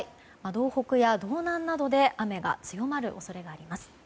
道北や道南などで雨が強まる恐れがあります。